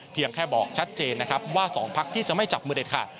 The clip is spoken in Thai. แค่บอกชัดเจนนะครับว่า๒พักที่จะไม่จับมือเด็ดขาด